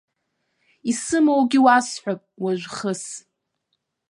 Исымоугьы уасҳәап уажә хыс.